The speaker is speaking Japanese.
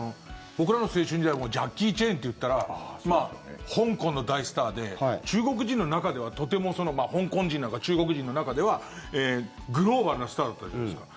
僕らの青春時代もジャッキー・チェンといったら香港の大スターで中国人の中ではとても香港人の中、中国人の中ではグローバルなスターだったじゃないですか。